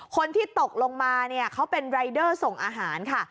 คนที่ตกลงมาเนี่ยเขาเป็นรายเดอร์ส่งอาหารค่ะ